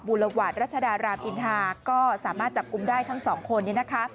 บุรวัตรรัชดาราบิณฑาก็สามารถจับอุ้มได้ทั้งสองคน